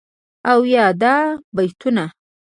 او یادا بیتونه..